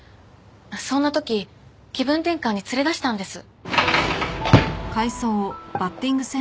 そんな時気分転換に連れ出したんです。